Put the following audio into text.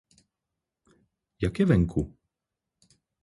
Jak je venku?